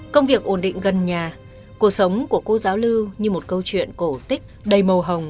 công việc ổn định gần nhà cuộc sống của cô giáo lưu như một câu chuyện cổ tích đầy màu hồng